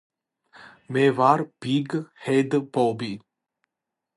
მე ვარ ბიგ ჰედ ბობი